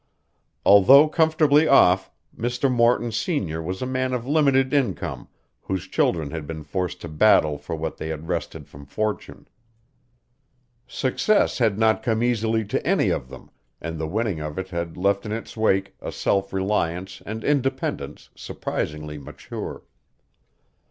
Although comfortably off, Mr. Morton senior was a man of limited income whose children had been forced to battle for what they had wrested from fortune. Success had not come easily to any of them, and the winning of it had left in its wake a self reliance and independence surprisingly mature.